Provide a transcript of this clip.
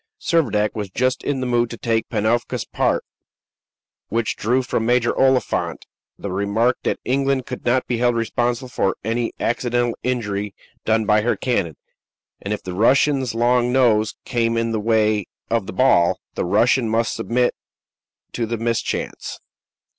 Servadac was just in the mood to take Panofka's part, which drew from Major Oliphant the remark that England could not be held responsible for any accidental injury done by her cannon, and if the Russian's long nose came in the way of the ball, the Russian must submit to the mischance.